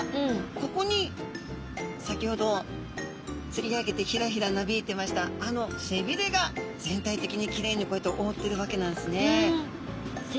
ここに先ほど釣り上げてヒラヒラなびいてましたあの背びれが全体的にきれいにこうやって覆ってるわけなんですね。